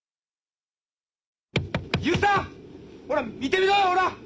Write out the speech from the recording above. ・勇さんほら見てみろほら。